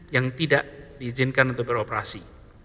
yang tidak diizinkan untuk beroperasi